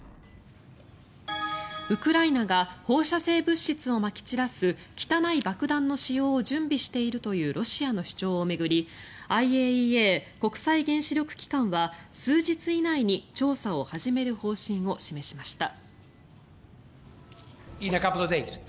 ウクライナが放射性物質をまき散らす汚い爆弾の使用を準備しているというロシアの主張を巡りＩＡＥＡ・国際原子力機関は数日以内に調査を始める方針を示しました。